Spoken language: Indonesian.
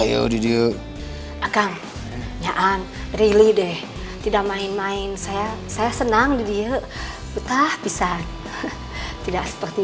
yuk didiru akan nyahan rili deh tidak main main saya saya senang didiru betah pisang tidak seperti